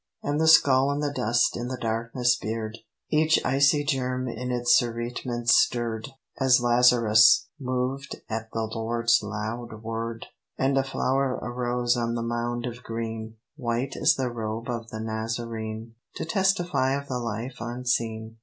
And the skull and the dust in the darkness beard. Each icy germ in its cerements stirred, As Lazarus moved at the Lord's loud word. And a flower arose on the mound of green, White as the robe of the Nazarene; To testify of the life unseen.